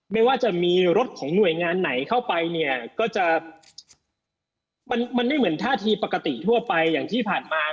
ไม่ว่าจะมีรถของหน่วยงานไหนเข้าไปเนี่ยก็จะมันไม่เหมือนท่าทีปกติทั่วไปอย่างที่ผ่านมา